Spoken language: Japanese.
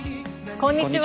こんにちは。